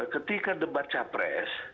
ketika debat capres